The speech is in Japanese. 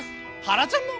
はらちゃんも？